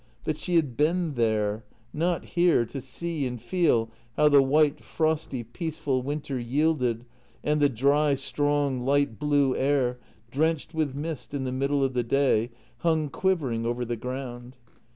But she had been there — not here to see and feel how the white, frosty, peaceful winter yielded and the dry, strong, light blue air, drenched with mist in the middle of the day, hung quivering over the ground.